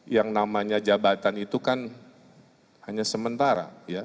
yang namanya jabatan itu kan hanya sementara